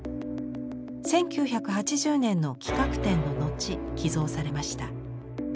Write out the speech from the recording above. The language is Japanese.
１９８０年の企画展の後寄贈されました。